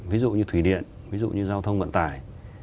ví dụ như thủy điện ví dụ như giao thông vận tải